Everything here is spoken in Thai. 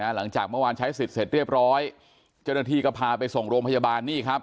หลังจากเมื่อวานใช้สิทธิ์เสร็จเรียบร้อยเจ้าหน้าที่ก็พาไปส่งโรงพยาบาลนี่ครับ